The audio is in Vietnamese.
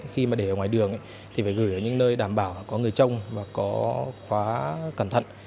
khi mà để ở ngoài đường thì phải gửi ở những nơi đảm bảo có người trông và có khóa cẩn thận